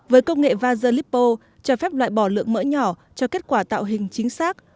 với công nghệ vezalipo cho phép loại bỏ lượng mỡ nhỏ cho kết quả tạo hình chính xác